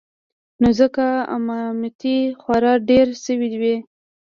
نو ځکه امامتې خورا ډېرې سوې وې.